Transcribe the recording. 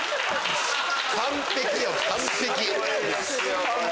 完璧よ完璧！